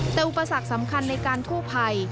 แต่อุปสรรคสำคัญในการกู้ภัย